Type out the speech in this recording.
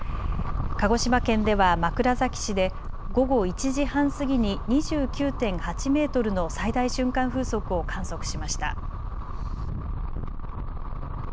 鹿児島県では枕崎市で午後１時半過ぎに２９．８メートルの最大瞬間風速を観測しました。